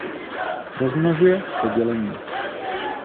Rozmnožuje se dělením.